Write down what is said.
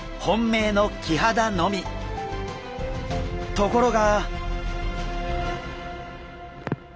ところが。